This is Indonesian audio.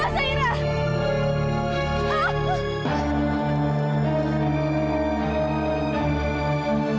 zahira jangan langsung